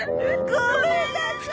ごめんなさーい。